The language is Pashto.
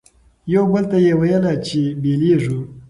یوه بل ته یې ویله چي بیلیږو